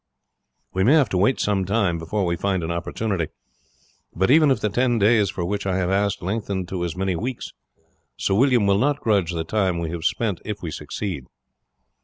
We may have to wait some time before we find an opportunity; but even if the ten days for which I have asked, lengthen to as many weeks, Sir William will not grudge the time we have spent if we succeed.